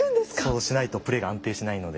そうしないとプレイが安定しないので。